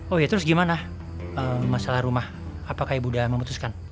oh ya terus gimana masalah rumah apakah ibu sudah memutuskan